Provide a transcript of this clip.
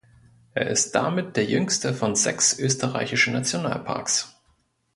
Er ist damit der jüngste von sechs österreichischen Nationalparks.